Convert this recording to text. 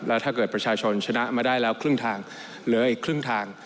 แล้วถ้าเกิดประชาชนชนะมาได้แล้วครึ่งทางเหลืออีกครึ่งทาง